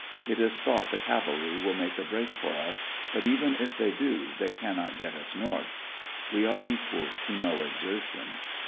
It is thought the cavalry will make a break for us, but even if they do they cannot get us north. We are equal to no exertion.